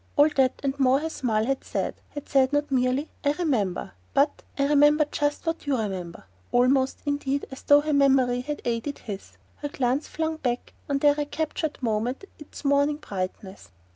All that and more her smile had said; had said not merely "I remember," but "I remember just what you remember"; almost, indeed, as though her memory had aided his, her glance flung back on their recaptured moment its morning brightness.